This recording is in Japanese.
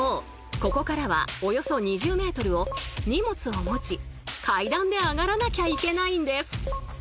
ここからはおよそ２０ｍを荷物を持ち階段で上がらなきゃいけないんです！